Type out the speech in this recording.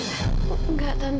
tidak tante bukan itu tante